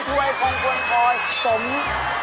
จะหมายความคิดชื่อ